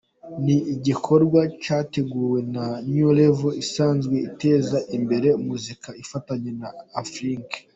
Ni igikorwa cyateguwe na New Level isanzwe iteza imbere muzika ifatanyije na Aflink.